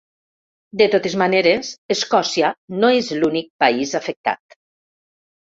De totes maneres, Escòcia no és l’únic país afectat.